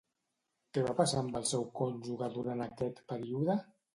Què va passar amb el seu cònjuge durant aquest període?